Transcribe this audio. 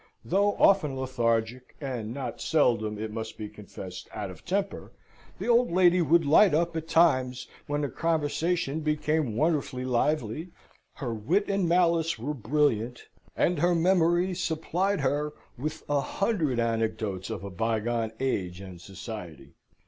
Though often lethargic, and not seldom, it must be confessed, out of temper, the old lady would light up at times, when her conversation became wonderfully lively, her wit and malice were brilliant, and her memory supplied her with a hundred anecdotes of a bygone age and society.